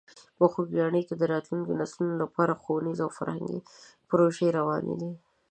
په خوږیاڼي کې د راتلونکو نسلونو لپاره ښوونیزې او فرهنګي پروژې روانې دي.